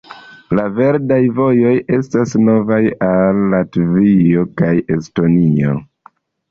La verdaj vojoj estas novaj al Latvio kaj Estonio.